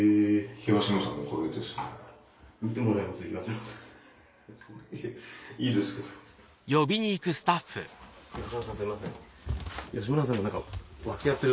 東野さんすいません。